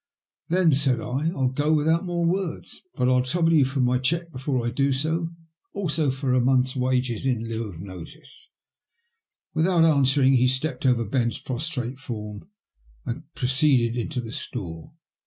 *' Then," said I, *' I'll go without more words. But I'll trouble you for my cheque before I do so. Also for a month's wages in lieu of notice." Without answering he stepped over Ben*s prostrate form and proceeded into the store.